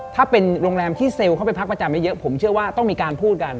ถ้าเป็นโรงแรมที่เซลล์เข้าไปพักประจำไม่เยอะผมเชื่อว่าต้องมีการพูดกัน